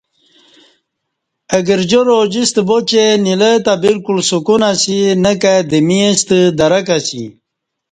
اہ گرجار اوجِستہ با چہ نیلہ تہ با لکُل سُکون اسی نہ کائی دمی ستہ درک اسی